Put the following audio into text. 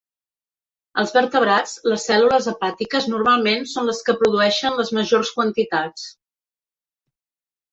Als vertebrats, les cèl·lules hepàtiques normalment són les que produeixen les majors quantitats.